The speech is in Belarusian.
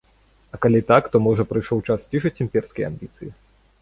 А калі так, то можа, прыйшоў час сцішыць імперскія амбіцыі?